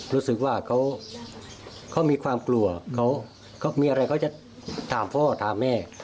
รู้สึกว่าเขามีความกลัวเขามีอะไรเขาจะถามพ่อถามแม่